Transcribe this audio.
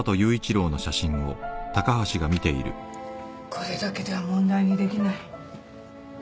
これだけでは問題にできない。